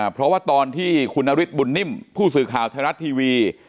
เพราะว่าตอนที่คุณนฤทธบุญนิ่มผู้สื่อข่าวไทยรัฐทีวี